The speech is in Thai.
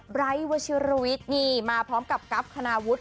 ไบร์ทวัชิรวิทนี่มาพร้อมกับกรัฟขนาวุธ